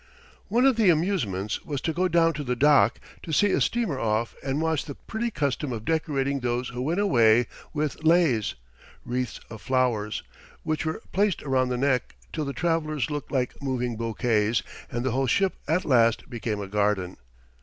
One of the amusements was to go down to the dock to see a steamer off and watch the pretty custom of decorating those who went away with leis wreaths of flowers which were placed around the neck till the travelers looked like moving bouquets and the whole ship at last became a garden.